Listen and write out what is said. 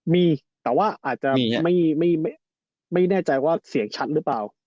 มีแต่ว่าอาจจะไม่แน่ใจว่าเสียงชัดหรือเปล่า